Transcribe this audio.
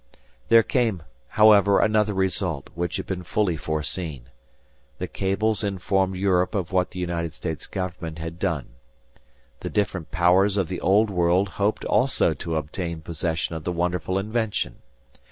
There came, however another result, which had been fully foreseen. The cables informed Europe of what the United States government had done. The different Powers of the Old World hoped also to obtain possession of the wonderful invention.